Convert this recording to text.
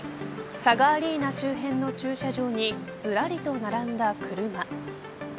ＳＡＧＡアリーナ周辺の駐車場にずらりと並んだ車。